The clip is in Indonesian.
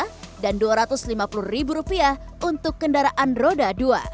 rp lima dan rp dua ratus lima puluh untuk kendaraan roda dua